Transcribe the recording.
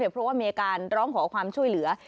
เพราะว่ามีอาการร้องขอความช่วยเหลือ